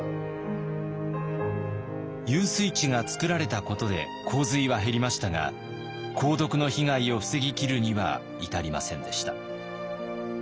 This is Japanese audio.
遊水池が作られたことで洪水は減りましたが鉱毒の被害を防ぎきるには至りませんでした。